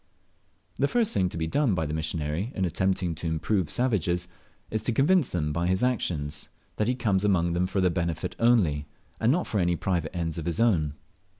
The first thing to be done by the missionary in attempting to improve savages, is to convince them by his actions that lie comes among them for their benefit only, and not for any private ends of his own.